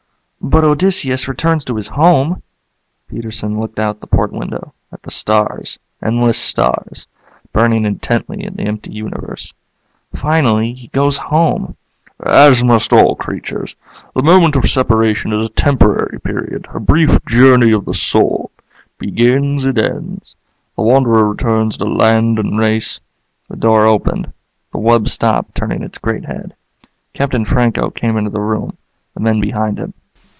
"But Odysseus returns to his home." Peterson looked out the port window, at the stars, endless stars, burning intently in the empty universe. "Finally he goes home." "As must all creatures. The moment of separation is a temporary period, a brief journey of the soul. It begins, it ends. The wanderer returns to land and race...." The door opened. The wub stopped, turning its great head. Captain Franco came into the room, the men behind him.